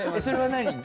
それは何？